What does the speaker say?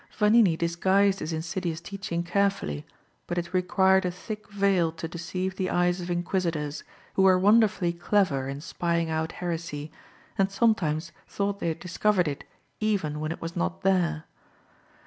Vanini disguised his insidious teaching carefully, but it required a thick veil to deceive the eyes of Inquisitors, who were wonderfully clever in spying out heresy, and sometimes thought they had discovered it even when it was not there.